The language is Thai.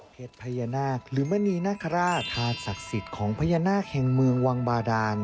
เผ็ดพญานาคหรือมณีนักฆราชทาสักศิษย์ของพญานาคแห่งเมืองวังบาดาน